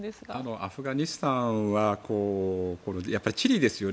アフガニスタンは地理ですよね。